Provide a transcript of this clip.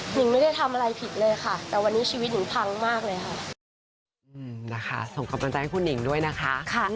หนิงไม่ได้ทำอะไรผิดเลยค่ะ